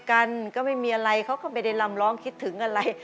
ชอบคำนี้ว่าเขาก็ไม่ได้รำร้องคิดถึงอะไร